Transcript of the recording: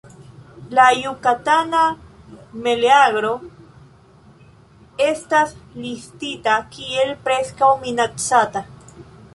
La Jukatana meleagro estas listita kiel "Preskaŭ Minacata".